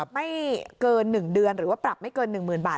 ไม่เกิน๑เดือนหรือว่าปรับไม่เกิน๑๐๐๐บาท